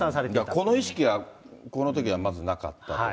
この意識がこのときはまずなかったと。